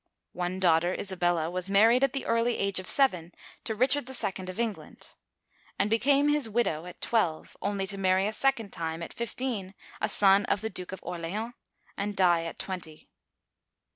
One daughter, Isabella, was married at the early age of seven to Richard II. of England,^ and became his widow at twelve, only to marry a second time, at fifteen, a son of the Duke of Orleans, and die at twenty